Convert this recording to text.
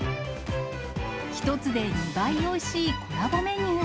１つで２倍おいしいコラボメニュー。